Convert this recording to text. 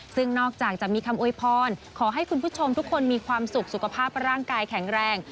ซึ่งนอกจากจะมีคำอวยพรขอให้คุณผู้ชมทุกคนมีความสุขสุขภาพร่างกายแข็งแรง